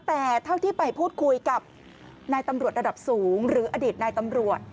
แต่เท่าที่ไปพูดคุยกับนายตำรวจระดับสูงหรืออดีตนายตำรวจ